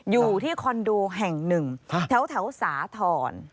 อยู่ที่คอนโดแห่งหนึ่งแถวสาธรณ์